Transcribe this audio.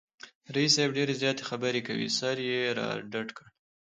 رییس صاحب ډېرې زیاتې خبری کوي، سر یې را ډډ کړ